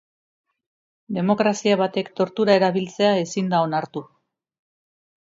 Demokrazia batek tortura erabiltzea ezin da onartu.